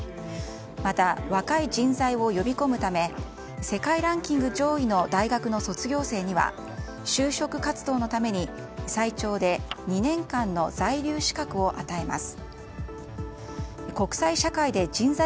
また、若い人材を呼び込むため世界ランキング上位の大学の卒業生には就職活動のために最長で２年間の在留資格を与えます。